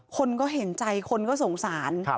คนก็เห็นใจคนก็สงสาร